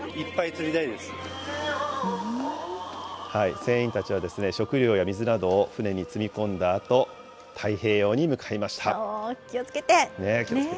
船員たちは食料や水などを船に積み込んだあと、太平洋に向か気をつけて。